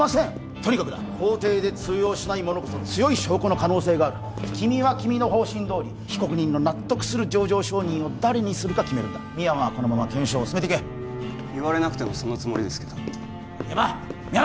とにかくだ法廷で通用しないものこそ強い証拠の可能性がある君は君の方針どおり被告人の納得する情状証人を誰にするか決めるんだ深山はこのまま検証を進めていけ言われなくてもそのつもりですが深山深山！